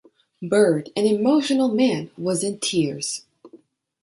Bird, an emotional man, was in tears.